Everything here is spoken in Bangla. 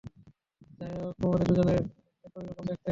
যাই হোক, তোমাদের দুজনকে একই রকম দেখতে।